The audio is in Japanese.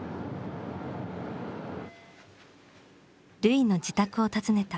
瑠唯の自宅を訪ねた。